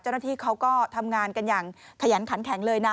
เจ้าหน้าที่เขาก็ทำงานกันอย่างขยันขันแข็งเลยนะ